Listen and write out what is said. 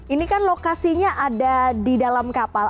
ini kan lokasinya ada di dalam kapal